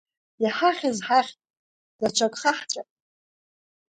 Иҳахьыз ҳахьт, даҽак хаҳҵәап.